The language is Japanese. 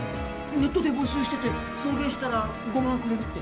ネットで募集してて送迎したら５万くれるって。